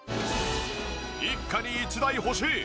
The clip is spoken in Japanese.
一家に一台欲しい。